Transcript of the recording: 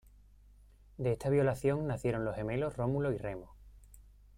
De esta violación nacieron los gemelos Rómulo y Remo.